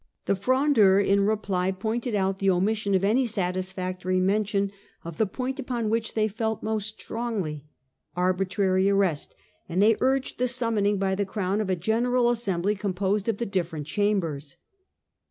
The Frondeurs, in reply, pointed out the omission of any satisfactory mention of the point upon which they felt most strongly, arbitrary arrest ; and they urged the summoning by the Crown of a general assembly com posed of the different Chambers.